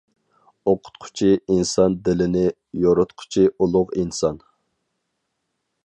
ئوقۇتقۇچى، ئىنسان دىلىنى يورۇتقۇچى ئۇلۇغ ئىنسان.